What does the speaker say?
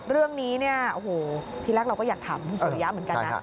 เรื่องนี้ที่แรกเราก็อยากถามคุณสุริยะเหมือนกันนะ